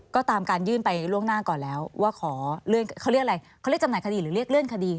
ก็ตามการยื่นไปล่วงหน้าก่อนแล้วว่าขอเลื่อนเขาเรียกอะไรเขาเรียกจำหน่ายคดีหรือเรียกเลื่อนคดี